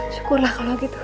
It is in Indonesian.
syukurlah kalo gitu